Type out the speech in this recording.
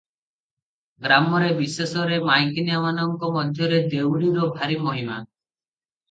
ଗ୍ରାମରେ ବିଶେଷରେ ମାଇକିନିଆମାନଙ୍କ ମଧ୍ୟରେ ଦେଉରୀର ଭାରି ମହିମା ।